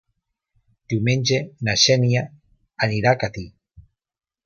Diumenge na Xènia anirà a Catí.